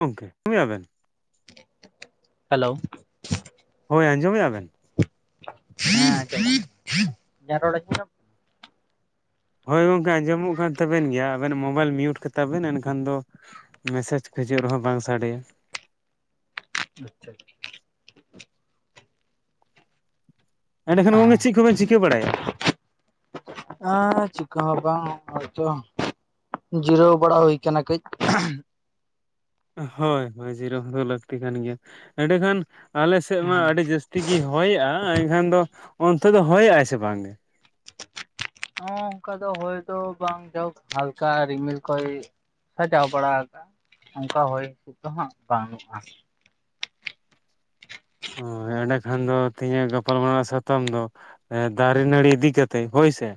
ᱜᱚᱝᱠᱮ ᱠᱟᱹᱢᱤᱭᱟ ᱵᱮᱱ᱾ ᱦᱟᱞᱳ, ᱦᱳᱭ ᱟᱸᱡᱚᱢᱮᱜᱼᱟ ᱵᱮᱱ? ᱦᱮᱸ ᱟᱸᱡᱚᱢᱚᱜ ᱠᱟᱱᱟ, ᱤᱧᱟᱜ ᱨᱚᱲ ᱟᱸᱡᱚᱢ ᱧᱟᱢ ᱦᱳᱭ ᱜᱚᱝᱠᱮ ᱟᱸᱡᱚᱢᱚᱜ ᱠᱟᱱ ᱛᱟᱵᱮᱱ ᱜᱮᱭᱟ ᱾ᱟᱵᱮᱱ ᱢᱳᱵᱟᱭᱤᱞ ᱢᱤᱭᱩᱴ ᱠᱟᱛᱟ ᱵᱮᱱ ᱮᱱᱠᱷᱟᱱ ᱫᱚ, ᱢᱮᱥᱮᱡᱽ ᱠᱚ ᱦᱤᱡᱩᱜ ᱨᱮᱦᱚᱸ ᱵᱟᱝ ᱥᱟᱰᱮᱭᱟ᱾ ᱟᱪᱪᱷᱟ [inaudible] ᱮᱸᱰᱮᱠᱷᱟᱱ ᱜᱚᱝᱠᱮ ᱪᱮᱜ ᱠᱚᱵᱮᱱ ᱪᱤᱠᱟᱹ ᱵᱟᱲᱟᱭᱟ? ᱟᱸ ᱪᱤᱠᱟ ᱦᱚᱸ ᱵᱟᱝ ᱦᱚᱜ-ᱚᱭ ‌ᱛᱚ ᱡᱤᱨᱟᱹᱣ ᱵᱟᱲᱟ ᱦᱩᱭ ᱠᱟᱱᱟ ᱠᱟᱹᱡ᱾ ᱦᱳᱭ ᱦᱳᱭ ᱡᱤᱨᱟᱹᱣ ᱦᱚᱸ ᱞᱟᱹᱠᱛᱤ ᱠᱟᱱ ᱜᱮᱭᱟ, ᱮᱸᱰᱮᱠᱷᱟᱱ ᱟᱞᱮ ᱥᱮᱜ ᱢᱟ ᱦᱚᱸ ᱟᱹᱰᱤ ᱡᱟᱹᱥ ᱛᱤᱜᱤ ᱦᱚᱭᱮᱜᱼᱟ᱾ᱮᱱᱠᱷᱟᱱ ᱫᱚ ᱚᱱᱛᱮ ᱫᱚ ᱦᱚᱭᱮᱜᱼᱟᱭ ᱥᱮ ᱵᱟᱝᱜᱮ? ᱦᱚᱸ ᱚᱱᱠᱟ ᱫᱚ ᱦᱳᱭ ᱫᱚ ᱵᱟᱝ ᱡᱷᱚᱜ ᱦᱟᱞᱠᱟ ᱨᱤᱢᱤᱞ ᱠᱚᱭ ᱥᱟᱡᱟᱣ ᱵᱟᱲᱟ ᱠᱟᱜᱼᱟ ᱚᱝᱠᱟ ᱦᱚᱭ ᱦᱤᱸᱤᱥᱤᱫ ᱫᱚ ᱦᱟᱸᱜ ᱵᱟᱹᱱᱩᱜᱼᱟ᱾ ᱩᱸ ᱮᱸᱰᱮᱠᱷᱟᱱ ᱫᱚ ᱛᱤᱦᱤᱧᱟᱜ ᱜᱟᱯᱟᱞ ᱢᱟᱨᱟᱣ ᱥᱟᱛᱟᱢ ᱫᱚ ᱮᱸ ᱫᱟᱨᱮ ᱱᱟᱹᱲᱤ ᱤᱫᱤ ᱠᱟᱛᱮᱜ ᱦᱳᱭ ᱥᱮ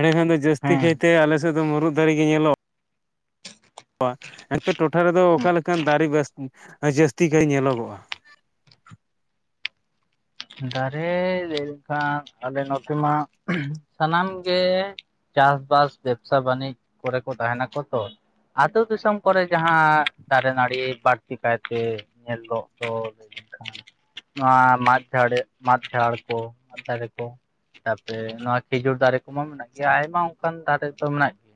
ᱮᱰᱮᱠᱷᱟᱱ ᱫᱚ ᱡᱟᱹᱥᱛᱤ ᱦᱮᱸ ᱠᱟᱹᱭᱛᱮ ᱟᱞᱮᱥᱮᱫ ᱫᱚ ᱢᱩᱨᱩᱜ ᱫᱟᱨᱮ ᱜᱮ ᱧᱮᱞᱚᱜ ᱟ ᱮᱱᱛᱮ ᱴᱚᱴᱷᱟ ᱨᱮᱫᱚ ᱚᱠᱟ ᱞᱮᱠᱟᱱ ᱫᱟᱨᱮ ᱵᱟᱥ ᱡᱟᱹᱥᱛᱤ ᱠᱟᱭ ᱧᱮᱞᱚᱜᱚᱜᱼᱟ? ᱫᱟᱨᱮ ᱞᱟᱹᱭ ᱞᱮᱱᱠᱷᱟᱱ ᱟᱞᱮ ᱱᱚᱛᱮ ᱢᱟ ᱥᱟᱱᱟᱢ ᱜᱮ ᱪᱟᱥ-ᱵᱟᱥ ᱵᱮᱵᱽᱥᱟ ᱵᱟᱹᱱᱤᱡᱽ ᱠᱚᱨᱮ ᱠᱚ ᱛᱟᱦᱮᱸᱱᱟᱠᱚ ᱛᱚ, ᱟᱛᱳ ᱫᱤᱥᱚᱢ ᱠᱚᱨᱮ ᱡᱟᱦᱟᱸ ᱫᱟᱨᱮ ᱱᱟᱹᱲᱤ ᱵᱟᱹᱲᱛᱤ ᱠᱟᱭᱛᱮ ᱧᱮᱞᱚᱜ ᱫᱚ, ᱞᱮᱱᱠᱷᱟᱱ [inaudible] ᱱᱚᱣᱟ ᱢᱟᱫ ᱡᱷᱟᱲᱮ ᱢᱟᱫ ᱡᱷᱟᱲ ᱠᱚ ᱢᱟᱫ ᱫᱟᱨᱮ ᱠᱚ, ᱛᱟᱯᱚᱨᱮ ᱱᱚᱣᱟ ᱠᱷᱤᱡᱩᱨ ᱫᱟᱨᱮ ᱠᱚᱢᱟ ᱢᱮᱱᱟᱜ ᱜᱮᱭᱟ ᱟᱭᱢᱟ ᱚᱱᱠᱟᱱ ᱫᱟᱨᱮ ᱫᱚ ᱢᱮᱱᱟᱜ ᱜᱮ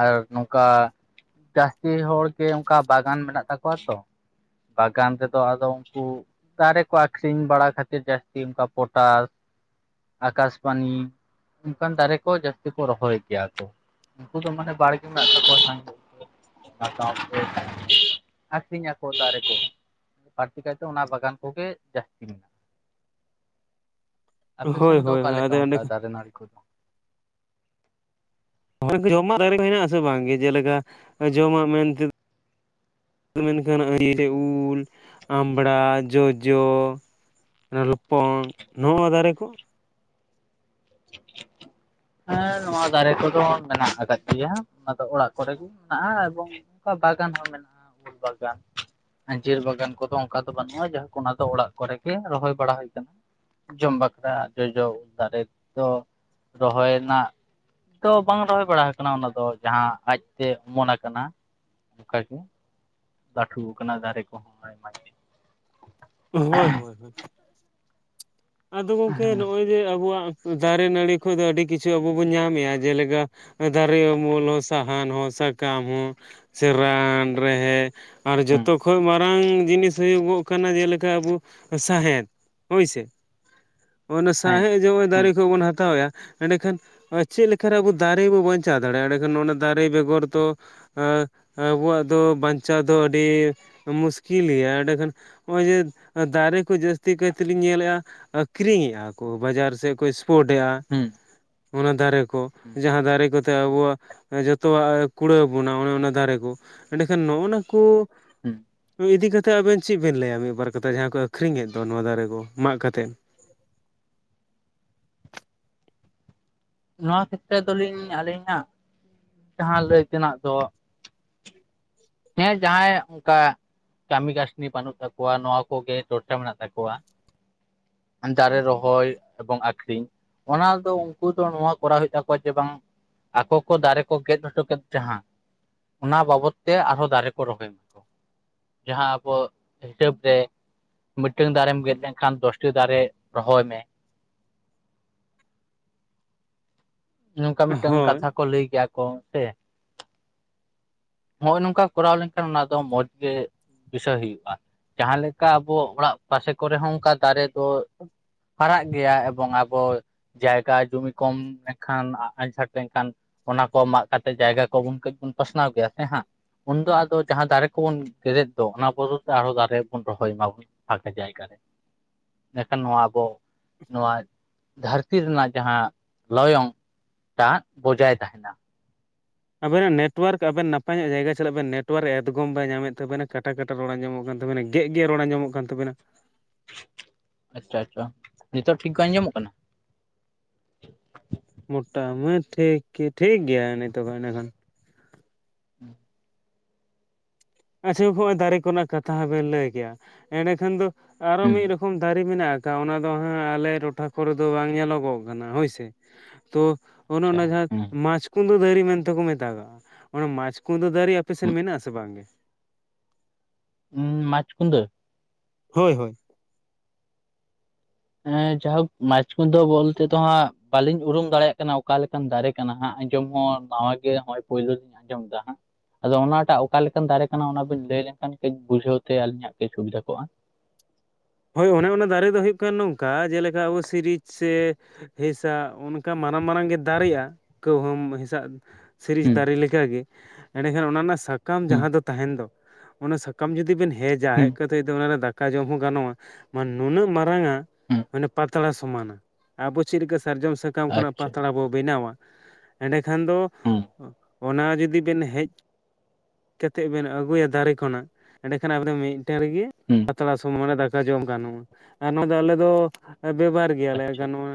ᱟᱨ ᱱᱚᱝᱠᱟ ᱡᱟᱹᱥᱛᱤ ᱦᱚᱲ ᱜᱮ ᱚᱱᱠᱟ ᱵᱟᱜᱟᱱ ᱢᱮᱱᱟᱜ ᱛᱟᱠᱚᱣᱟ ᱛᱚ? ᱵᱟᱜᱟᱱ ᱨᱮᱫᱚ ᱟᱫᱚ ᱩᱱᱠᱩ ᱫᱟᱨᱮ ᱠᱚ ᱟᱠᱷᱨᱤᱧ ᱵᱟᱲᱟ ᱠᱷᱟᱹᱛᱤᱨ ᱡᱟᱹᱥᱛᱤ ᱚᱱᱠᱟ ᱯᱚᱴᱟᱥ ᱟᱠᱟᱥ ᱯᱟᱱᱤ ᱚᱱᱠᱟᱱ ᱫᱟᱨᱮ ᱠᱚ ᱡᱟᱹᱥᱛᱤ ᱠᱚ ᱨᱚᱦᱚᱭ ᱜᱮᱭᱟ ᱠᱚ᱾ ᱩᱝᱠᱩ ᱫᱚ ᱢᱟᱱᱮ ᱵᱟᱲᱜᱮ ᱢᱮᱱᱟᱜ ᱛᱟᱠᱚᱣᱟ ᱥᱟᱸᱜᱮ ᱜᱮ᱾ [unintelligible] ᱟᱠᱷᱤᱧᱟᱠᱚ ᱫᱟᱨᱮ ᱠᱚ᱾ ᱵᱟᱹᱲᱛᱤ ᱠᱟᱭᱛᱮ ᱚᱱᱟ ᱵᱟᱜᱟᱱ ᱠᱚᱜᱮ ᱡᱟᱹᱥᱛᱤ ᱢᱮᱱᱟᱜᱼᱟ, ᱟᱯᱮ ᱥᱮᱱ ᱦᱳᱭ ᱦᱳᱭ ᱫᱚ ᱦᱳᱭ ᱚᱠᱟ ᱞᱮᱠᱟ ᱟᱫᱚ ᱚᱱᱠᱟ ᱫᱟᱨᱮ ᱱᱟᱹᱲᱤ ᱠᱚᱫᱚ? [unintelligible] ᱡᱚᱢᱟᱜ ᱫᱟᱨᱮ‌ ᱢᱮᱱᱟᱜ-ᱟ ᱥᱮ ᱵᱟᱝ ᱜᱮ ᱡᱮᱞᱮᱠᱟ ᱡᱚᱢᱟᱜ ᱢᱮᱱᱛᱮ ᱢᱮᱱᱠᱷᱟᱱ [unintelligible] ᱩᱞ, ᱟᱢᱵᱽᱲᱟ, ᱡᱚᱡᱚ, ᱚᱱᱟ ᱞᱚᱯᱚᱝ ᱱᱚᱶᱟ ᱫᱟᱨᱮ ᱠᱚ? [inaudible] ᱦᱮᱸ ᱱᱚᱶᱟ ᱫᱟᱨᱮ ᱠᱚᱫᱚ ᱢᱮᱱᱟᱜ ᱟᱠᱟᱫ ᱜᱮᱭᱟ ᱚᱱᱟ ᱫᱚ ᱚᱲᱟᱜ ᱠᱚᱨᱮ ᱜᱮ ᱢᱮᱱᱟᱜᱼᱟ, ᱮᱵᱚᱝ ᱱᱚᱝᱠᱟ ᱵᱟᱜᱟᱱ ᱦᱚᱸ ᱢᱮᱱᱟᱜᱼᱟ ᱩᱞ ᱵᱟᱜᱟᱱ᱾ ᱟᱸᱡᱤᱨ ᱵᱟᱜᱟᱱ ᱠᱚᱫᱚ ᱚᱝᱠᱟ ᱫᱚ ᱵᱟᱹᱱᱩᱜᱼᱟ ᱡᱟᱦᱟᱸ ᱚᱱᱟ ᱫᱚ ᱚᱲᱟᱜ ᱠᱚᱨᱮ ᱜᱮ ᱨᱚᱦᱚᱭ ᱵᱟᱲᱟ ᱦᱳᱭ ᱠᱟᱱᱟ᱾ ᱡᱚᱢ ᱵᱟᱠᱷᱨᱟ ᱡᱚᱡᱚ ᱫᱟᱨᱮ ᱫᱚ ᱨᱚᱦᱚᱭ ᱨᱮᱱᱟᱜ ᱛᱚ ᱵᱟᱝ ᱨᱚᱦᱚᱭ ᱵᱟᱲᱟ ᱟᱠᱟᱱᱟ ᱚᱱᱟ ᱫᱚ ᱡᱟᱦᱟᱸ ᱟᱡ ᱛᱮ ᱚᱢᱚᱱ ᱟᱠᱟᱱᱟ, ᱚᱱᱠᱟ ᱜᱮ ᱞᱟᱹᱴᱷᱩ ᱠᱟᱱᱟ ᱫᱟᱨᱮ ᱠᱚᱦᱚᱸ ᱟᱭᱢᱟ [unintelligible] ᱦᱳᱭ ᱦᱳᱭ ᱦᱳᱭ᱾ ᱟᱫᱚ ᱜᱚᱝᱠᱮ ᱦᱮᱸ ᱱᱚᱸᱜᱼᱚᱭ ᱡᱮ ᱟᱵᱚᱣᱟᱜ ᱫᱟᱨᱮ ᱱᱟᱹᱲᱤ ᱠᱷᱚᱡ ᱫᱚ ᱟᱹᱰᱤ ᱠᱤᱪᱷᱩ ᱟᱵᱚ ᱵᱚᱱ ᱧᱟᱢᱮᱫᱼᱟ, ᱡᱮᱞᱮᱠᱟ ᱫᱟᱨᱮ ᱩᱢᱩᱞ ᱦᱚᱸ ᱥᱟᱦᱟᱱ ᱦᱚᱸ ᱥᱟᱠᱟᱢ ᱦᱚᱸ ᱥᱮ ᱨᱟᱱ ᱨᱮᱦᱮ ᱟᱨ ᱦᱮᱸ ᱡᱷᱚᱛᱚ ᱠᱷᱚᱡ ᱢᱟ ᱨᱟᱝ ᱡᱤᱱᱤᱥ ᱦᱩᱭᱩᱜᱚᱜ ᱠᱟᱱᱟ ᱡᱮᱞᱮᱠᱟ ᱟᱵᱩ ᱥᱟᱸᱦᱮᱫ ᱦᱳᱭᱥᱮ᱾ ᱚᱱᱮ ᱥᱟᱸᱦᱮ ᱡᱮ ᱚᱸᱜᱼᱚᱭ ᱦᱮᱸ ᱫᱟᱨᱮ ᱠᱷᱚᱡ ᱵᱚᱱ ᱦᱟᱛᱟᱣᱮᱜᱼᱟ ᱮᱸᱰᱮᱠᱷᱟᱱ ᱟ ᱪᱮᱫ ᱞᱮᱠᱟᱨᱮ ᱟᱵᱚ ᱫᱟᱨᱮ ᱵᱚᱱ ᱵᱟᱧᱪᱟᱣ ᱫᱟᱲᱮᱭᱟᱜᱼᱟ ᱮᱸᱰᱮᱠᱷᱟᱱ ᱚᱱᱟ ᱫᱟᱨᱮ ᱵᱮᱜᱚᱨ ᱫᱚ ᱟᱸ ᱟᱵᱚᱣᱟᱜ ᱫᱚ ᱵᱟᱧᱪᱟᱣ ᱫᱚ ᱟᱹᱰᱤ ᱢᱩᱥᱠᱤᱞ ᱜᱮᱭᱟ ᱮᱸᱰᱮᱠᱷᱟᱱ ᱦᱚᱸᱜᱼᱚᱭ ᱡᱮ ᱫᱟᱨᱮ ᱠᱚ ᱡᱟᱹᱥᱛᱤ ᱠᱟᱭ ᱛᱮᱞᱤᱧ ᱧᱮᱞᱮᱜᱼᱟ ᱟᱠᱷᱨᱤᱧᱮᱜᱼᱟ ᱠᱩ ᱵᱟᱡᱟᱨ ᱥᱮᱫ ᱠᱚ ᱮᱥᱯᱳᱴ ᱮᱭᱟ᱾ ᱦᱮᱸ ᱚᱱᱟ ᱫᱟᱨᱮ ᱠᱚ ᱦᱮᱸ ᱡᱟᱦᱟᱸ ᱫᱟᱨᱮ ᱠᱚᱛᱮ ᱟᱵᱚᱣᱟᱜ ᱡᱷᱚᱛᱚᱣᱟᱜ ᱠᱩᱲᱟᱹᱣ ᱵᱚᱱᱟ ᱚᱱᱟ ᱚᱱᱟ ᱫᱟᱨᱮ ᱠᱩ ᱮᱸᱰᱮᱠᱷᱟᱱ ᱱᱚᱼᱱᱟ ᱠᱩ ᱦᱮᱸ ᱤᱫᱤ ᱠᱟᱛᱮᱫ ᱟᱵᱮᱱ ᱪᱮᱫ ᱵᱮᱱ ᱞᱟᱹᱭᱟ ᱢᱤᱫᱵᱟᱨ ᱠᱟᱛᱷᱟ ᱡᱟᱦᱟᱸ ᱠᱚ ᱟᱠᱷᱨᱤᱧᱠᱮᱫ ᱫᱚ ᱱᱚᱣᱟ ᱫᱟᱨᱮ ᱠᱚ ᱢᱟᱜ ᱠᱟᱛᱮᱫ᱾ ᱱᱚᱣᱟ ᱠᱷᱮᱛᱨᱮ ᱫᱚᱞᱤᱧ ᱟᱹᱞᱤᱧᱟᱜ ᱡᱟᱦᱟᱸ ᱞᱟᱹᱭ ᱛᱮᱱᱟᱜ ᱫᱚ ᱦᱮᱸ ᱡᱟᱦᱟᱸᱭᱟᱜ ᱚᱝᱠᱟ᱾ ᱠᱟᱹᱢᱤ ᱠᱟᱹᱥᱱᱤ ᱵᱟᱹᱱᱩᱜ ᱛᱟᱠᱚᱣᱟ ᱱᱚᱣᱟ ᱠᱚᱜᱮ ᱪᱚᱨᱪᱟ ᱢᱮᱱᱟᱜ ᱛᱟᱠᱚᱣᱟ᱾ ᱫᱟᱨᱮ ᱨᱚᱦᱚᱭ ᱮᱵᱚᱝ ᱟᱠᱷᱨᱤᱧ ᱚᱱᱟ ᱫᱚ ᱩᱝᱠᱩ ᱫᱚ ᱱᱚᱣᱟ ᱠᱚᱨᱟᱣ ᱦᱩᱭᱩᱜ ᱛᱟᱠᱚᱣᱟ ᱡᱮ ᱵᱟᱝ ᱟᱠᱚ ᱠᱚ ᱫᱟᱨᱮ ᱠᱚ ᱜᱮᱫ ᱦᱚᱴᱚ ᱠᱮᱫ ᱡᱟᱦᱟᱸ ᱚᱱᱟ ᱵᱟᱵᱚᱫ ᱛᱮ ᱟᱨᱦᱚᱸ ᱫᱟᱨᱮ ᱠᱚ ᱨᱚᱦᱚᱭ ᱢᱟ᱾ ᱡᱟᱦᱟᱸ ᱟᱵᱚ ᱦᱤᱥᱟᱹᱵ ᱛᱮ ᱢᱤᱫᱴᱟᱝ ᱫᱟᱨᱮᱢ ᱜᱮᱫ ᱞᱮᱱᱠᱷᱟᱱ ᱫᱚᱥᱴᱤ ᱫᱟᱨᱮ ᱨᱚᱦᱚᱭ ᱢᱮ ᱱᱚᱝᱠᱟ ᱢᱤᱫᱴᱟᱝ ᱦᱳᱭ ᱠᱟᱛᱷᱟ ᱠᱚ ᱞᱟᱹᱭ ᱠᱮᱭᱟ ᱠᱚ ᱥᱮ ᱱᱚᱜᱼᱚᱭ ᱱᱚᱝᱠᱟ ᱠᱚᱨᱟᱣ ᱞᱮᱱᱠᱷᱟᱱ ᱚᱱᱟ ᱫᱚ ᱢᱚᱸᱡᱽ ᱜᱮ ᱵᱤᱥᱚᱭ ᱦᱩᱭᱩᱜᱼᱟ ᱡᱟᱦᱟᱸ ᱞᱮᱠᱟ ᱟᱵᱚ ᱚᱲᱟᱜ ᱯᱟᱥᱮ ᱠᱚᱨᱮ ᱦᱚᱸ ᱚᱱᱠᱟ ᱫᱟᱨᱮ ᱫᱚ ᱦᱟᱨᱟᱜ ᱜᱮᱭᱟ ᱮᱵᱚᱝ ᱟᱵᱚ ᱡᱟᱭᱜᱟ ᱡᱩᱢᱤ ᱠᱚᱢ ᱢᱮᱠᱷᱟᱱ ᱟᱡ ᱥᱟᱜᱴᱮᱸᱜ ᱠᱷᱟᱱ ᱚᱱᱟ ᱠᱚ ᱢᱟᱜ ᱠᱟᱛᱮᱫ ᱡᱟᱭᱜᱟ ᱠᱚᱵᱚᱱ ᱠᱟᱹᱡ ᱵᱚᱱ ᱯᱟᱥᱱᱟᱣ ᱜᱮᱭᱟ᱾ ᱦᱮᱸ ᱦᱟᱸᱜ ᱩᱱᱫᱚ ᱟᱫᱚ ᱡᱟᱦᱟᱸ ᱫᱟᱨᱮ ᱠᱚᱵᱚᱱ ᱜᱮᱨᱮᱫ ᱫᱚ ᱚᱱᱟ ᱵᱚᱫᱚᱞ ᱛᱮ ᱟᱨᱦᱚᱸ ᱫᱟᱨᱮ ᱵᱚᱱ ᱨᱚᱦᱚᱭ ᱢᱟᱵᱚᱱ ᱟᱠᱟ ᱡᱟᱭᱜᱟ ᱨᱮ ᱤᱱᱟᱹᱠᱷᱟᱱ ᱱᱚᱣᱟ ᱟᱵᱚ ᱱᱚᱣᱟ ᱫᱷᱟᱹᱨᱛᱤ ᱨᱮᱱᱟᱜ ᱡᱟᱦᱟᱸ ᱞᱚᱭᱚᱝ ᱫᱟᱜ ᱵᱚᱡᱟᱭ ᱛᱟᱦᱮᱱᱟ᱾ ᱟᱵᱮᱱᱟᱜ ᱱᱮᱴᱣᱟᱨᱠ ᱟᱵᱮᱱ ᱱᱟᱯᱟᱭ ᱧᱚᱜ ᱡᱟᱭᱜᱟ ᱪᱟᱞᱟᱜ ᱵᱮᱱ ᱱᱮᱴᱣᱟᱨᱠ ᱮᱛᱜᱚᱢᱵᱟᱭ ᱧᱟᱢᱮᱫ ᱛᱟᱵᱮᱱᱟ ᱠᱟᱴᱟᱠᱟᱴ ᱨᱚᱲᱟ ᱟᱸᱡᱚᱢᱚᱜ ᱠᱟᱱ ᱛᱟᱵᱮᱱᱟ ᱜᱮᱜ ᱜᱮᱜ ᱨᱚᱲ ᱟᱸᱡᱚᱢᱚᱜ ᱠᱟᱱ ᱛᱟᱵᱮᱱᱟ᱾ [inaudible] ᱟᱪᱪᱷᱟ ᱟᱪᱪᱷᱟ ᱱᱤᱛᱳᱜ ᱴᱷᱤᱠ ᱠᱚ ᱟᱸᱡᱚᱢᱚᱜ ᱠᱟᱱᱟ? ᱢᱳᱚᱴᱟ ᱢᱟᱱᱮ ᱴᱷᱤᱠ ᱜᱮ ᱴᱷᱤᱠ ᱜᱮᱭᱟ ᱮᱱᱮ ᱛᱚᱵᱮ ᱮᱸᱰᱮᱠᱷᱟᱱ᱾ [inaudible] ᱟᱪᱷᱟ ᱦᱚᱼᱚᱭ ᱫᱟᱨᱮ ᱠᱚᱨᱮᱱᱟᱜ ᱠᱟᱛᱷᱟ ᱦᱚᱸᱵᱮᱱ ᱞᱟᱹᱭ ᱠᱮᱭᱟ ᱮᱸᱰᱮᱠᱷᱟᱱ ᱫᱚ ᱟᱨᱚ ᱦᱩᱸ ᱢᱤᱫ ᱨᱚᱠᱚᱢ ᱫᱟ ᱨᱮ ᱢᱮᱱᱟᱜ ᱠᱟᱜᱼᱟ ᱚᱱᱟ ᱫᱚ ᱦᱟᱸᱜ ᱟᱞᱮ ᱴᱚᱴᱷᱟ ᱠᱚᱨᱮ ᱫᱚ ᱵᱟᱝ ᱧᱮᱞᱚᱜᱚᱜ ᱠᱟᱱᱟ ᱦᱳᱭᱥᱮ ᱛᱚ ᱚᱱᱮ ᱟᱪᱪᱷᱟ ᱚᱱᱟ ᱡᱟᱦᱟᱸ ᱦᱮᱸ ᱢᱟᱪ ᱠᱩᱸᱫᱟᱹ ᱫᱟᱨᱤ ᱢᱮᱱᱛᱮ ᱠᱚ ᱢᱮᱛᱟᱜᱟᱜᱼᱟ ᱚᱱᱟ ᱢᱟᱪ ᱠᱩᱸᱫᱟᱹ ᱫᱟᱨᱮ ᱟᱯᱮᱥᱮᱱ ᱢᱮᱱᱟᱜ ᱟᱥᱮ ᱵᱟᱝᱜᱮ? ᱦᱩᱸ ᱢᱟᱪ ᱠᱩᱸᱫᱟᱹ ᱦᱳᱭ ᱦᱳᱭ ᱮᱸ ᱡᱟᱦᱚᱠ ᱢᱟᱪ ᱠᱚᱫᱚ ᱵᱚᱞᱛᱮ ᱫᱚ ᱦᱟᱸᱜ ᱵᱟᱹᱞᱤᱧ ᱩᱨᱩᱢ ᱫᱟᱲᱮᱭᱟᱜ ᱠᱟᱱᱟ ᱚᱠᱟᱞᱮᱠᱟᱱ ᱫᱟᱨᱮ ᱠᱟᱱᱟ ᱦᱟᱸᱜ ᱟᱸᱡᱚᱢ ᱦᱚᱸ ᱱᱟᱣᱟ ᱜᱮ ᱦᱚᱼᱚᱭ ᱯᱳᱭᱞᱳ ᱞᱤᱧ ᱟᱸᱡᱚᱢ ᱫᱟ ᱦᱟᱸᱜ ᱟᱫᱚ ᱚᱱᱟᱴᱟᱜ ᱚᱠᱟᱞ ᱞᱮᱠᱟᱱ ᱫᱟᱨᱮ ᱠᱟᱱᱟ ᱚᱱᱟᱵᱤᱱ ᱞᱟᱹᱭ ᱞᱮᱱᱠᱷᱟᱱ ᱠᱟᱹᱡ ᱵᱩᱡᱷᱟᱹᱣ ᱛᱮ ᱟᱹᱞᱤᱧᱟᱜ ᱠᱟᱹᱡ ᱥᱩᱵᱤᱫᱷᱟ ᱠᱚᱜᱼᱟ᱾ ᱦᱳᱭ ᱚᱱᱮ ᱚᱱᱟ ᱫᱟᱨᱮ ᱫᱚ ᱦᱩᱭᱩᱜ ᱠᱟᱱ ᱱᱚᱝᱠᱟ ᱡᱮᱞᱮᱠᱟ ᱟᱵᱚ ᱥᱤᱨᱤᱡ ᱥᱮ ᱦᱮᱥᱟᱜ ᱚᱱᱠᱟ ᱢᱟᱨᱟᱝ ᱢᱟᱨᱟᱝ ᱜᱮ ᱫᱟᱨᱮᱜᱼᱟ ᱠᱟᱹᱣᱦᱩᱢ ᱦᱮᱸᱥᱟᱜ ᱥᱤᱨᱤᱡ ᱦᱩᱸ ᱫᱟᱨᱮ ᱞᱮᱠᱟᱜᱮ ᱮᱸᱰᱮᱠᱷᱟᱱ ᱚᱱᱟ ᱨᱮᱱᱟᱜ ᱥᱟᱠᱟᱢ ᱦᱩᱸ ᱡᱟᱦᱟᱸ ᱫᱚ ᱛᱟᱦᱮᱱ ᱫᱚ ᱚᱱᱟ ᱥᱟᱠᱟᱢ ᱡᱩᱫᱤ ᱵᱮᱱ ᱦᱮᱡ ᱡᱟ ᱦᱩᱸ ᱦᱮᱡ ᱠᱟᱛᱮ ᱚᱱᱟ ᱨᱮ ᱫᱟᱠᱟ ᱡᱚᱢ ᱦᱚᱸ ᱜᱟᱱᱚᱜᱼᱟ ᱢᱟ ᱱᱩᱱᱟᱹᱜ ᱢᱟᱨᱟᱝ ᱟ ᱦᱩᱸ ᱯᱟᱛᱲᱟ ᱥᱚᱢᱟᱱᱟ ᱟᱵᱚ ᱪᱮᱫ ᱪᱮᱫᱠᱟ ᱥᱟᱨᱡᱚᱢ ᱥᱟᱠᱟᱢ ᱠᱷᱚᱱᱟᱜ ᱟᱪᱪᱷᱟ ᱯᱟᱛᱲᱟ ᱵᱚ ᱵᱮᱱᱟᱣᱟ ᱮᱸᱰᱮᱠᱷᱟᱱ ᱫᱚ ᱦᱩᱸ ᱚᱱᱟ ᱡᱩᱫᱤ ᱵᱮᱱ ᱦᱮᱡ ᱠᱟᱛᱮᱫ ᱵᱮᱱ ᱟᱹᱜᱩᱭᱟ ᱫᱟᱨᱮ ᱠᱷᱚᱱᱟᱜ ᱮᱸᱰᱮᱠᱷᱟᱱ ᱟᱵᱮᱱ ᱫᱚ ᱢᱤ ᱴᱮ ᱨᱮᱜᱤ ᱦᱩᱸ ᱯᱟᱛᱲᱟ ᱥᱚ ᱢᱟᱱᱮ ᱫᱟᱠᱟ ᱡᱚᱢ ᱜᱟᱱᱚᱜᱼᱟ ᱟᱨ ᱱᱚᱣᱟ ᱫᱚ ᱟᱞᱮ ᱫᱚ ᱵᱮᱵᱟᱨ ᱜᱮᱭᱟ ᱞᱟᱭ ᱟᱪᱪᱷᱟ ᱟᱪᱪᱷᱟ ᱜᱟᱱᱚᱜᱼᱟ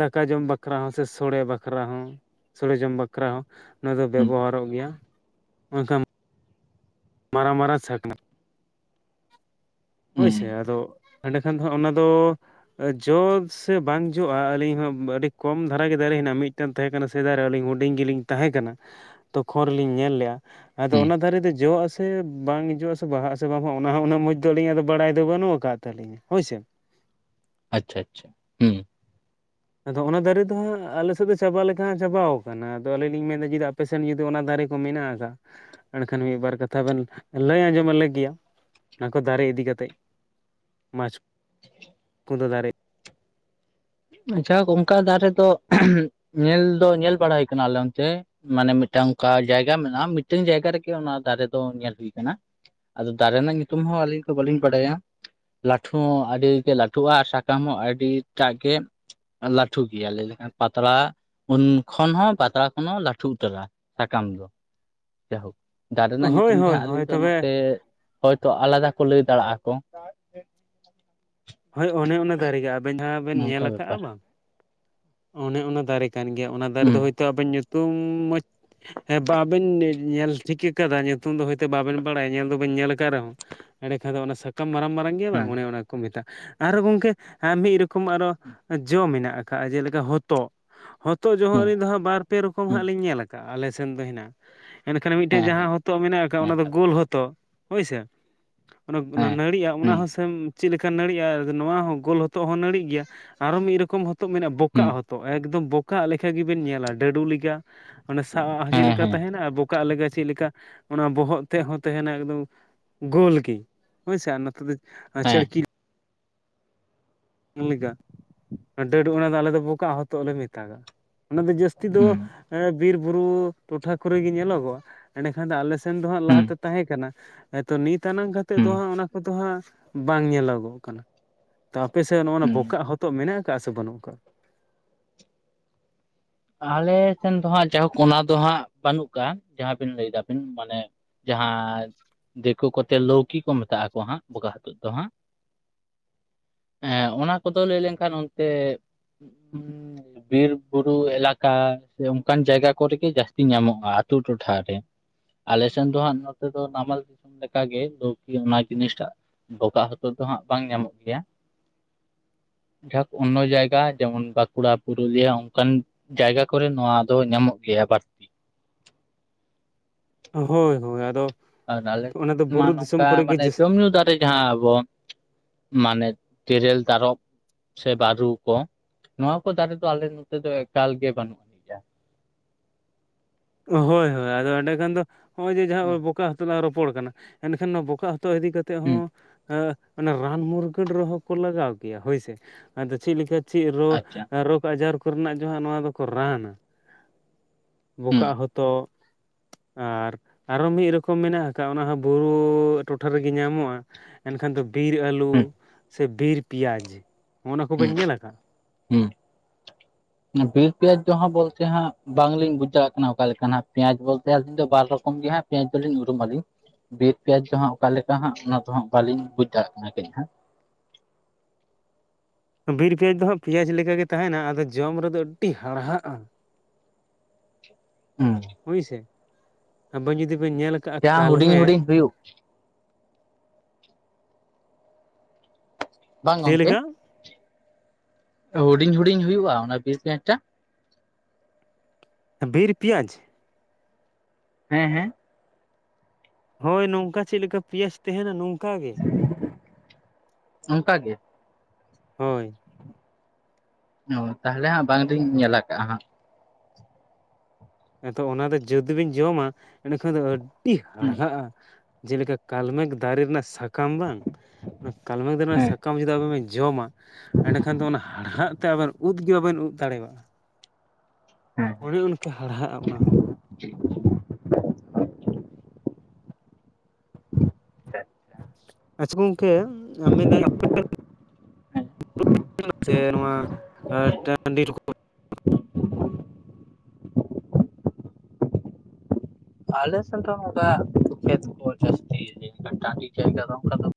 ᱫᱟᱠᱟ ᱡᱚᱢ ᱵᱟᱠᱷᱨᱟ ᱦᱚᱸ ᱥᱮ ᱥᱚᱲᱮ ᱵᱟᱠᱷᱨᱟ ᱦᱚᱸ ᱥᱚᱲᱮ ᱡᱚᱢ ᱵᱟᱠ ᱵᱟᱠᱷᱨᱟ ᱦᱚᱸ ᱱᱚᱣᱟ ᱫᱚ ᱦᱩᱸ ᱵᱮᱵᱚᱦᱟᱨᱚᱜ ᱜᱮᱭᱟ ᱮᱱᱠᱷᱟᱱ ᱢᱟᱨᱟᱝ ᱢᱟᱨᱟᱝ ᱥᱟᱠᱱᱟ ᱦᱩᱸ ᱦᱳᱭᱥᱮ ᱟᱫᱚ ᱮᱸᱰᱮᱠᱷᱟᱱ ᱫᱚ ᱦᱟᱸᱜ ᱚᱱᱟ ᱫᱚ ᱡᱚ ᱥᱮ ᱵᱟᱝ ᱡᱚᱜᱼᱟ ᱟᱹᱞᱤᱧ ᱦᱚᱸ ᱟᱹᱰᱤ ᱠᱚᱢ ᱫᱷᱟᱨᱟ ᱜᱮ ᱫᱟᱨᱮ ᱦᱮᱱᱟᱜᱼᱟ ᱢᱤᱫ ᱢᱤᱫᱴᱮᱱ ᱛᱟᱦᱮᱸ ᱠᱟᱱᱟ ᱥᱮᱫᱟᱭ ᱨᱮ ᱟᱹᱞᱤᱧ ᱦᱩᱰᱤᱧ ᱜᱤᱞᱤᱧ ᱛᱟᱦᱮᱸ ᱠᱟᱱᱟ᱾ ᱛᱚᱠᱷᱚᱨ ᱨᱮᱞᱤᱧ ᱧᱮᱞ ᱞᱮᱜ-ᱟ, ᱟᱫᱚ ᱦᱩᱸ ᱚᱱᱟ ᱫᱟᱨᱮ ᱫᱚ ᱡᱚᱜ ᱟᱥᱮ ᱥᱮ ᱵᱟᱝ ᱦᱤᱡᱩᱜᱼᱟ ᱥᱮ ᱵᱟᱦᱟᱜ ᱥᱮ ᱵᱟᱝ ᱦᱟᱸᱜ ᱚᱱᱟ ᱦᱚᱸ ᱩᱱᱟᱹᱜ ᱢᱚᱡᱽ ᱫᱚ ᱟᱹᱞᱤᱧ ᱟᱫᱚ ᱵᱟᱲᱟᱭ ᱫᱚ ᱵᱟᱹᱱᱩᱜ ᱟᱠᱟᱫ ᱛᱟᱹᱞᱤᱧᱟ ᱦᱳᱭᱥᱮ᱾ ᱟᱪᱪᱷᱟ ᱟᱪᱪᱷᱟ ᱦᱩᱸ᱾ ᱟᱫᱚ ᱚᱱᱟ ᱫᱟᱨᱮ ᱫᱚ ᱦᱟᱸᱜ ᱟᱞᱮ ᱥᱮᱫ ᱫᱚ ᱪᱟᱵᱟ ᱞᱮᱠᱟ ᱦᱟᱸᱜ ᱪᱟᱵᱟᱣ ᱟᱠᱟᱱᱟ ᱟᱫᱚ ᱟᱹᱞᱤᱧ ᱞᱤᱧ ᱢᱮᱱᱮᱫ-ᱟ ᱡᱩᱫᱤ ᱟᱯᱮ ᱥᱮᱫ ᱟᱯᱮᱥᱮᱱ ᱡᱩᱫᱤ ᱚᱱᱟ ᱫᱟᱨᱮ ᱠᱚ ᱢᱮᱱᱟᱜ ᱟᱠᱟᱫ᱾ ᱮᱱᱠᱷᱟᱱ ᱢᱤᱫᱵᱟᱨ ᱠᱟᱛᱷᱟ ᱵᱤᱱ ᱞᱟᱹᱭ ᱟᱸᱡᱚᱢ ᱟᱞᱮ ᱜᱮᱭᱟ᱾ ᱚᱱᱟ ᱠᱚ ᱫᱟᱨᱮ ᱤᱫᱤ ᱠᱟᱛᱮ ᱢᱟᱪᱷ ᱩᱱ ᱠᱩᱸᱫᱚ ᱫᱟᱨᱮ᱾ ᱟᱪᱷᱟ ᱚᱱᱠᱟ ᱫᱟᱨᱮ ᱫᱚ ᱧᱮᱞ ᱫᱚ ᱧᱮᱞ ᱵᱟᱲᱟᱭ ᱠᱟᱱ ᱟᱞᱮ ᱚᱱᱛᱮ᱾ ᱢᱟᱱᱮ ᱢᱤᱫᱴᱟᱝ ᱚᱱᱠᱟ ᱡᱟᱭᱜᱟ ᱢᱮᱱᱟᱜ-ᱟ᱾ ᱢᱤᱫᱴᱟᱝ ᱡᱟᱭᱜᱟ ᱨᱮᱜᱮ ᱚᱱᱟ ᱫᱟᱨᱮ ᱫᱚ ᱧᱮᱞ ᱦᱩᱭ ᱟᱠᱟᱱᱟ᱾ ᱟᱫᱚ ᱫᱟᱨᱮ ᱨᱮᱱᱟᱜ ᱧᱩᱛᱩᱢ ᱦᱚᱸ ᱟᱹᱞᱤᱧ ᱫᱚ ᱵᱟᱹᱞᱤᱧ ᱵᱟᱰᱟᱭᱟ᱾ ᱞᱟᱹᱴᱷᱩ ᱦᱚᱸ ᱟᱹᱰᱤᱜᱮ ᱞᱟᱹᱴᱷᱩᱜ-ᱟ ᱟᱨ ᱥᱟᱠᱟᱢ ᱦᱚᱸ ᱟᱹᱰᱤ ᱮᱴᱟᱜ ᱜᱮ ᱞᱟᱹᱴᱷᱩᱜ ᱜᱮᱭᱟ᱾ ᱞᱮᱭ ᱞᱮᱠᱷᱟᱱ ᱯᱟᱛᱲᱟ ᱩᱱ ᱠᱷᱚᱱ ᱦᱚᱸ ᱯᱟᱛᱲᱟ ᱠᱷᱚᱱ ᱦᱚᱸ ᱞᱟᱹᱴᱩ ᱩᱛᱟᱹᱨᱟ, ᱥᱟᱠᱟᱢ ᱫᱚ ᱡᱟᱦᱳᱠ᱾ ᱫᱟᱨᱮ ᱨᱮᱱᱟᱜ ᱦᱳᱭ ᱧᱩᱛᱩᱢ ᱜᱮ ᱦᱳᱭ ᱦᱟᱸᱜ ᱦᱳᱭ ᱟᱞᱤᱧ ᱫᱚ ᱛᱚᱵᱮ ᱱᱚᱛᱮ ᱦᱚᱭᱛᱚ ᱟᱞᱟᱫᱟ ᱠᱚ ᱞᱟᱹᱭ ᱫᱟᱲᱮᱜ-ᱟ ᱠᱚ᱾ ᱦᱚᱭ ᱚᱱᱮ ᱚᱱᱟ ᱫᱟᱨᱮ ᱜᱮ, ᱟᱵᱮᱱ ᱡᱟᱦᱟᱸ ᱵᱮᱱ ᱧᱮᱞ ᱱᱚᱝᱠᱟ ᱟᱠᱟ-ᱟ ᱵᱮᱯᱟᱨ ᱵᱟᱝ᱾ ᱚᱱᱮ ᱚᱱᱟ ᱫᱟᱨᱮ ᱠᱟᱱ ᱜᱮᱭᱟ, ᱚᱱᱟ ᱫᱟᱨᱮ ᱫᱚ ᱦᱩᱸ ᱦᱚᱭᱛᱚ ᱟᱵᱮᱱ ᱧᱩᱛᱩᱢ ᱢᱚᱡᱽ ᱦᱮᱸ ᱵᱟᱵᱮᱱ ᱧᱮᱞ ᱴᱷᱤᱠᱟᱹ ᱠᱟᱫᱟ ᱧᱩᱛᱩᱢ ᱫᱚ ᱦᱚᱭᱛᱚ ᱵᱟᱵᱮᱱ ᱵᱟᱲᱟᱭᱟ ᱧᱮᱞ ᱫᱚᱵᱤᱱ ᱧᱮᱞ ᱟᱠᱟᱫ ᱨᱮᱦᱚᱸ᱾ ᱮᱸᱰᱮ ᱠᱷᱟᱱ ᱫᱚ ᱚᱱᱟ ᱥᱟᱠᱟᱢ ᱢᱟᱨᱟᱝ ᱢᱟᱨᱟᱝ ᱜᱮᱭᱟ ᱵᱟᱝ ᱦᱮᱸ ᱚᱱᱮ ᱚᱱᱟ ᱜᱮᱠᱚ ᱢᱮᱛᱟᱜ-ᱟ ᱟᱨᱦᱚᱸ ᱜᱚᱝᱠᱮ ᱦᱟᱸ ᱢᱤᱫ ᱨᱚᱠᱚᱢ ᱟᱨᱚ ᱡᱚ ᱢᱮᱱᱟᱜ-ᱟ᱾ ᱠᱟᱜ-ᱟ ᱡᱮᱞᱮᱠᱟ ᱦᱚᱛᱚᱫ᱾ ᱦᱚᱛᱚᱫ ᱡᱚ ᱦᱚᱸ ᱦᱩᱸ ᱟᱹᱞᱤᱧ ᱫᱚ ᱦᱟᱸᱜ ᱵᱟᱨ-ᱯᱮ ᱨᱚᱠᱚᱢ ᱦᱩᱸ ᱦᱟᱸᱜ ᱞᱤᱧ ᱧᱮᱞ ᱟᱠᱟᱫ-ᱟ, ᱟᱞᱮᱥᱮᱱ ᱫᱚ ᱦᱮᱱᱟᱜ-ᱟ᱾ ᱮᱱᱠᱷᱟᱱ ᱢᱤᱫᱴᱮᱡ ᱦᱮᱸ ᱡᱟᱦᱟᱸ ᱦᱮᱸ ᱦᱚᱛᱚᱫ ᱢᱮᱱᱟᱜ-ᱟ ᱮᱠᱷᱟᱡ ᱦᱮᱸ ᱚᱱᱟ ᱫᱚ ᱦᱮᱸ ᱜᱳᱞ ᱦᱚᱛᱚᱫ ᱦᱳᱭᱥᱮ᱾ ᱚᱱᱟ ᱚᱱᱟ ᱦᱮᱸ ᱱᱹᱲᱤᱜ-ᱟ ᱚᱱᱟ ᱦᱩᱸ ᱦᱚᱸ ᱥᱮᱢ ᱪᱮᱫᱞᱮᱠᱟ ᱠᱟ ᱱᱟᱹᱲᱤᱜ-ᱟ ᱟᱨ ᱱᱚᱣᱟ ᱦᱚᱸ ᱜᱳᱞ ᱦᱚᱛᱚᱜ ᱦᱚᱸ ᱱᱟᱹᱤᱜ ᱜᱮᱭᱟ ᱟᱨᱚ ᱢᱤᱫ ᱨᱚᱠᱚᱢ ᱦᱚᱛᱚᱫ ᱢᱮᱱᱟᱜ-ᱟ ᱦᱩᱸ ᱵᱚᱠᱟᱜ ᱦᱚᱛᱚᱫ᱾ ᱛᱚ ᱮᱠᱫᱚᱢ ᱵᱚᱠᱟᱜ ᱞᱮᱠᱟ ᱜᱮᱵᱤᱱ ᱧᱮᱞᱟ᱾ ᱰᱟᱹᱰᱩ ᱞᱮᱠᱟ, ᱚᱱᱮ ᱥᱟᱵᱟᱜ ᱦᱚᱸ ᱪᱮᱫ ᱦᱮᱸ ᱞᱮᱠᱟ ᱦᱮᱸ ᱛᱟᱦᱮᱱᱟ ᱟ ᱵᱚᱠ ᱠᱟᱜ ᱞᱮᱠᱟ ᱪᱮᱫ ᱞᱮᱠᱟ ᱚᱱᱟ ᱵᱚᱦᱚᱜ ᱛᱮᱫ ᱦᱚᱸ ᱛᱟᱦᱮᱱᱟ ᱮᱠᱫᱚᱢ ᱜᱳᱞ ᱜᱮ ᱦᱚᱭᱥᱮ ᱱᱚᱛᱮ ᱫᱚ ᱦᱮᱸ ᱪᱟᱹᱲᱠᱤ ᱞᱮᱠᱟ᱾ ᱰᱟᱹᱴ ᱚᱱᱟ ᱫᱚ ᱟᱞᱮ ᱫᱚ ᱵᱚᱠᱟᱜ ᱦᱚᱛᱚᱫ ᱞᱮ ᱢᱮᱛᱟᱜᱟᱜ-ᱟ᱾ ᱚᱱᱟ ᱫᱚ ᱡᱟᱹᱥᱛᱤ ᱫᱚ ᱦᱩᱸ ᱮᱸ ᱵᱤᱨ-ᱵᱩᱨᱩ ᱴᱚᱴᱷᱟ ᱠᱚᱨᱮ ᱜᱮ ᱧᱮᱞᱚᱜᱚᱜ-ᱟ᱾ ᱮᱸᱰᱮ ᱠᱷᱟᱱ ᱫᱚ ᱟᱞᱮ ᱥᱮᱱ ᱫᱚ ᱦᱟᱜ ᱦᱩᱸ ᱞᱟᱦᱟᱛᱮ ᱛᱟᱦᱮᱸ ᱠᱟᱱᱟ ᱛᱚ ᱱᱤᱛ ᱟᱱᱟᱝ ᱠᱟᱛᱮᱫ ᱦᱩᱸ ᱫᱚ ᱦᱟᱸᱜ ᱚᱱᱟ ᱠᱚᱫᱚ ᱦᱟᱸᱜ ᱵᱟᱝ ᱧᱮᱞᱚᱜᱚᱜ ᱠᱟᱱᱟ᱾ ᱛᱚ ᱟᱯᱮ ᱥᱮᱫ ᱱᱚᱜᱼᱚᱱᱟ ᱦᱩᱸ ᱵᱚᱠᱟᱜ ᱦᱚᱛᱚᱫ ᱢᱮᱱᱟᱜ ᱟᱠᱟᱜ-ᱟ ᱥᱮ ᱵᱟᱹᱱᱩᱜ ᱟᱠᱟᱫ-ᱟ? ᱟᱞᱮ ᱥᱮᱱ ᱫᱚ ᱦᱟᱸᱜ ᱡᱟᱭᱦᱳᱠ ᱚᱱᱟ ᱫᱚ ᱦᱟᱸᱜ ᱵᱟᱹᱱᱩᱜ ᱟᱠᱟᱜ-ᱟ᱾ ᱡᱟᱦᱟᱸ ᱵᱤᱱ ᱞᱟᱹᱭ ᱮᱫᱟᱵᱤᱱ ᱢᱟᱱᱮ ᱡᱟᱦᱟᱸ ᱫᱤᱠᱩ ᱠᱚᱛᱮ ᱞᱟᱹᱣᱠᱤ ᱠᱚ ᱢᱮᱛᱟᱜ-ᱟ ᱠᱚ ᱦᱟᱸᱜ ᱵᱚᱠᱟᱜ ᱦᱚᱛᱚᱫ ᱫᱚ ᱦᱟᱸᱜ᱾ ᱮᱸ ᱚᱱᱟ ᱠᱚᱫᱚ ᱞᱟᱹᱭ ᱞᱮᱱᱠᱷᱟᱱ ᱚᱱᱛᱮ ᱵᱤᱨ ᱵᱩᱨᱩ ᱮᱞᱟᱠᱟ ᱥᱮ ᱚᱱᱠᱟᱱ ᱡᱟᱭᱜᱟ ᱠᱚᱨᱮᱜᱮ ᱡᱟᱹᱥᱛᱤ ᱧᱟᱢᱚᱜ-ᱟ ᱟᱹᱛᱩ ᱴᱚᱴᱷᱟᱨ ᱨᱮ᱾ ᱟᱞᱮ ᱥᱮᱱ ᱫᱚ ᱦᱟᱸᱜ ᱱᱚᱛᱮ ᱫᱚ ᱱᱟᱢᱟᱞ ᱫᱤᱥᱚᱢ ᱞᱮᱠᱟᱜᱮ ᱞᱟᱹᱣᱠᱤ ᱚᱱᱟ ᱡᱤᱱᱤᱥᱴᱟᱜ᱾ ᱵᱚᱠᱟᱜ ᱦᱚᱛᱚᱫ ᱫᱚ ᱦᱟᱸᱜ ᱵᱟᱝ ᱧᱟᱢᱚᱜ ᱜᱮᱭᱟ᱾ [inaudible] ᱡᱷᱟᱠ ᱚᱱᱱᱚ ᱡᱟᱭᱜᱟ ᱡᱮᱢᱚᱱ ᱵᱟᱸᱠᱩᱲᱟ, ᱯᱩᱨᱩᱞᱤᱭᱟ ᱚᱱᱠᱟᱱ ᱡᱟᱭᱜᱟ ᱠᱚᱨᱮ ᱱᱚᱣᱟ ᱫᱚ ᱧᱟᱢᱚᱜ ᱜᱮᱭᱟ ᱵᱟᱴ ᱦᱚᱭ ᱦᱚᱭ ᱟᱫᱚ ᱟᱨ ᱟᱞᱮ ᱚᱱᱟ ᱫᱚ ᱥᱮᱫ ᱢᱟ ᱵᱩᱨᱩ ᱫᱤᱥᱚᱢ ᱱᱚᱝᱠᱟ ᱠᱚᱨᱮ ᱜᱮ ᱢᱟᱱᱮ ᱡᱟᱹᱥ ᱡᱚᱢ-ᱧᱩ ᱫᱟᱨᱮ ᱡᱟᱦᱟᱸ ᱟᱵᱚ ᱢᱟᱱᱮ ᱛᱤᱨᱮᱞ, ᱛᱟᱨᱚᱵ᱾ ᱥᱮ ᱵᱟᱹᱨᱩ ᱠᱚ ᱱᱚᱣᱟ ᱠᱚ ᱫᱟᱨᱮ ᱫᱚ ᱟᱞᱮ ᱱᱚᱛᱮ ᱫᱚ ᱮᱠᱟᱞ ᱜᱮ ᱵᱟᱹᱱᱩᱜ-ᱟ᱾ ᱦᱚᱭ ᱦᱚᱭ ᱟᱫᱚ ᱮᱸᱰᱮ ᱠᱷᱟᱱ ᱫᱚ ᱱᱚᱜ-ᱚᱭ ᱡᱮ ᱦᱩᱸ ᱡᱟᱦᱟᱸ ᱵᱚᱠᱟᱜ ᱦᱚ ᱞᱟᱝ ᱨᱚᱯᱚᱲ ᱠᱟᱱᱟ, ᱮᱱᱠᱷᱟᱱ ᱱᱚᱣᱟ ᱵᱚᱠᱟᱜ ᱦᱚᱛᱚᱫ ᱤᱫᱤ ᱠᱟᱛᱮᱫ ᱦᱚᱸᱼᱼ ᱦᱩᱸ ᱚᱱᱟ ᱨᱟᱱ ᱢᱩᱨᱜᱟᱹᱱ ᱨᱮᱦᱚᱸ ᱠᱚ ᱞᱟᱜᱟᱣ ᱜᱮᱭᱟ ᱦᱳᱭᱥᱮ ᱟᱫᱚ ᱪᱮᱫ ᱞᱮᱠᱟᱼᱼ ᱪᱮᱫ ᱨᱳ ᱟᱪᱪᱷᱟ ᱨᱳᱜᱽ ᱟᱡᱟᱨ ᱠᱚᱨᱮᱱᱟᱜ ᱡᱳᱦᱟᱜ ᱱᱚᱣᱟ ᱫᱚᱠᱚ ᱨᱟᱱᱟ᱾ ᱦᱩᱸ ᱵᱚᱠᱟᱜ ᱦᱚᱛᱚᱜ, ᱟᱨ ᱟᱨᱚ ᱢᱤᱫ ᱨᱚᱠᱚᱢ ᱢᱮᱱᱟᱜ ᱟᱠᱟᱜ ᱚᱱᱟ ᱦᱚᱸ ᱵᱩᱨᱩ ᱴᱚᱴᱷᱟ ᱨᱮᱜᱮ ᱧᱟᱢᱚᱜᱼᱟ᱾ ᱮᱱᱠᱷᱟᱱ ᱫᱚ ᱵᱤᱨ ᱟᱞᱩ ᱦᱩᱸ ᱥᱮ ᱵᱤᱨ ᱯᱮᱸᱭᱟᱡᱽ ᱱᱚᱜ-ᱚᱭ ᱱᱚᱣᱟ ᱠᱚ ᱵᱤᱱ ᱧᱮᱞ ᱟᱠᱟᱜᱼᱟ? ᱦᱩᱸ [inaudible] ᱵᱤᱨ ᱯᱮᱸᱭᱟᱡᱽ ᱫᱚ ᱦᱟᱜ ᱵᱚᱞᱛᱮ ᱦᱟᱜ ᱵᱟᱝᱞᱤᱧ ᱵᱩᱡᱷ ᱫᱟᱲᱮᱭᱟᱜ ᱠᱟᱱᱟ ᱚᱠᱟ ᱞᱮᱠᱟ ᱦᱟᱜ ᱯᱮᱸᱭᱟᱡᱽ ᱵᱚᱞᱛᱮ ᱟᱹᱞᱤᱧ ᱫᱚ ᱵᱟᱨ ᱨᱚᱠᱚᱢ ᱜᱮ ᱦᱟᱜᱼᱼ ᱯᱮᱸᱭᱟᱡᱽ ᱫᱚᱞᱤᱧ ᱩᱨᱩᱢᱟᱞᱤᱧ ᱵᱤᱨ ᱯᱮᱸᱭᱟᱡᱽ ᱫᱚᱦᱟᱜ ᱚᱠᱟ ᱞᱮᱠᱟ ᱦᱟᱜ ᱚᱱᱟ ᱫᱚᱦᱟᱜ ᱵᱟᱹᱞᱤᱧ ᱵᱩᱡᱽ ᱫᱟᱲᱮᱭᱟᱜ ᱠᱟᱱᱟ, ᱠᱟᱹᱡ ᱦᱟᱸᱜ ᱵᱤᱨ ᱯᱮᱸᱭᱟᱡᱽ ᱫᱚ ᱦᱟᱜ ᱯᱮᱸᱭᱟᱡᱽ ᱞᱮᱠᱟᱜᱮ ᱛᱟᱦᱮᱱᱟ ᱟᱫᱚ ᱡᱚᱢ ᱨᱮᱫᱚ ᱟᱹᱰᱤ ᱦᱟᱲᱦᱟᱜᱼᱟ᱾ ᱦᱩᱸ ᱦᱳᱭᱥᱮ, ᱟᱵᱮᱱ ᱡᱩᱫᱤ ᱵᱮᱱ ᱧᱮᱞᱼᱼ ᱡᱟᱸᱦᱟ ᱦᱩᱰᱤᱧ ᱦᱩᱰᱤᱧ ᱦᱩᱭᱩᱜᱼᱼ ᱵᱟᱝ ᱪᱮᱫ ᱜᱚᱝᱠᱮᱼᱼ ᱞᱮᱠᱟ ᱦᱩᱰᱤᱧ ᱦᱩᱰᱤᱧ ᱦᱩᱭᱩᱜᱼᱟ, ᱚᱱᱟ ᱵᱤᱨ ᱯᱮᱸᱭᱟᱡᱽ ᱴᱟᱜᱯ? ᱵᱤᱨ ᱯᱮᱸᱭᱟᱡᱽ ᱦᱮᱸ ᱦᱮᱸᱼᱼ ᱦᱳᱭ ᱱᱚᱝᱠᱟ ᱪᱮᱫ ᱞᱮᱠᱟ᱾ ᱯᱮᱸᱭᱟᱡᱽ ᱛᱟᱸᱦᱮᱱᱟ ᱱᱚᱝᱠᱟ ᱜᱮ, ᱚᱱᱠᱟ ᱜᱮ ᱦᱳᱭ ᱚ ᱛᱟᱸᱦᱚᱞᱮ ᱦᱟᱜ ᱵᱟᱝᱞᱤᱧ ᱧᱮᱞ ᱟᱠᱟᱜᱼᱟ᱾ ᱦᱟᱜ ᱟᱫᱚ ᱚᱱᱟ ᱫᱚ ᱡᱩᱫᱤ ᱵᱤᱱ ᱡᱚᱢᱟ ᱮᱸᱰᱮᱠᱷᱟᱱ ᱫᱚ ᱟᱹᱰᱤ ᱦᱩᱸ ᱦᱟᱲᱦᱟᱜᱼᱟ᱾ ᱡᱮᱞᱮᱠᱟ ᱠᱟᱞᱢᱮᱜᱽ ᱫᱟᱨᱮ ᱨᱮᱱᱟᱜ ᱥᱟᱠᱟᱢ ᱵᱟᱝ ᱚᱱᱟ ᱠᱟᱞᱢᱮᱜᱽ ᱫᱟᱨᱮ ᱨᱮᱱᱟᱜ ᱦᱮᱸ ᱥᱟᱠᱟᱢ ᱡᱩᱫᱤ ᱟᱵᱮᱱ ᱵᱤᱱᱼᱼ ᱡᱚᱢᱟ ᱮᱸᱰᱮᱠᱷᱟᱱ ᱫᱚ ᱚᱱᱟ ᱦᱟᱲᱦᱟᱫ ᱛᱮ ᱟᱵᱮᱱ ᱩᱫ ᱜᱮ ᱵᱟᱵᱮᱱ ᱩᱫ ᱫᱟᱲᱮᱭᱟᱜᱼᱟ᱾ ᱦᱮᱸ ᱚᱱᱮ ᱚᱱᱠᱟ ᱦᱟᱲᱦᱟᱜᱼᱟ, ᱚᱱᱟ ᱦᱚᱸ᱾ [inaudible] [unintelligible] ᱟᱪᱪᱷᱟ ᱜᱚᱝᱠᱮ ᱟᱢ ᱢᱮᱱᱫᱟᱹᱧᱼᱼ ᱦᱮᱸ ᱥᱮ ᱱᱚᱣᱟ ᱴᱟᱹᱰᱤ ᱨᱮᱠᱚ, ᱟᱞᱮ ᱥᱮᱱ ᱫᱚ ᱚᱝᱠᱟ ᱠᱷᱮᱛ ᱠᱚ ᱡᱟᱹᱥᱛᱤ ᱴᱟᱹᱰᱤ ᱡᱟᱭᱜᱟ ᱫᱚ ᱚᱱᱠᱟ ᱫᱚ,